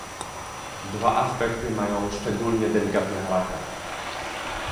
Dwa aspekty mają szczególnie delikatny charakter